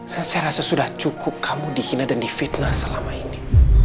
saya rasa sudah cukup kamu dihina dan difitnah selama ini